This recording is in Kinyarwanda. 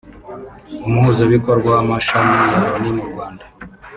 Umuhuzabikorwa w’amashami ya Loni mu Rwanda